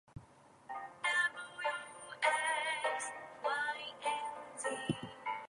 The specific epithet "cristata" is from the Latin "cristatus" meaning "crested" or "plumed".